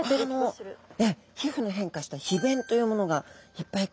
皮膚の変化した皮弁というものがいっぱい